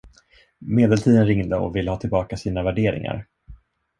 Medeltiden ringde och ville ha tillbaka sina värderingar.